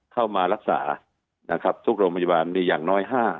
เข้ามารักษานะครับทุกโรงพยาบาลมีอย่างน้อย๕